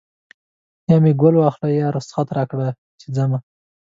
یا مې ګل واخله یا رخصت راکړه چې ځمه